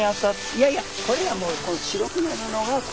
いやいやこれは白くなるのがこの。